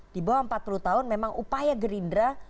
di bawah empat puluh tahun memang upaya gerindra